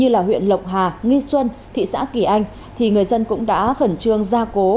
và huyện lộc hà nghi xuân thị xã kỳ anh thì người dân cũng đã phẩn trương ra cố